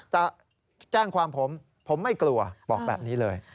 จะแจ้งความผมผมไม่กลัวบอกแบบนี้เลย